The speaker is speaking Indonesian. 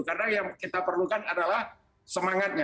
karena yang kita perlukan adalah semangatnya